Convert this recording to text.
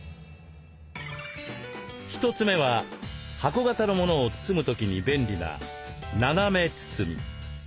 一つ目は箱形のものを包む時に便利な「斜め包み」。